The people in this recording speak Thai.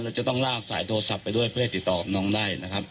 จะต้องลากสายโทรศัพท์ไปด้วยเพื่อให้ติดต่อกับน้องได้นะครับ